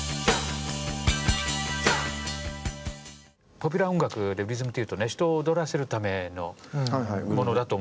ポピュラー音楽でリズムというとね人を踊らせるためのものだと思うのね。